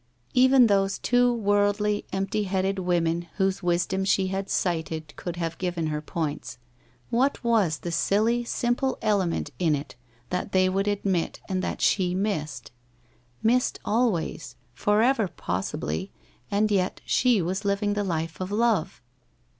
Even those two worldly empty headed women whose wisdom she had cited could have given her points. What was the silly simple element in it that they would admit and that she missed? Missed al ways, forever, possibly, and yet she was living the life of love.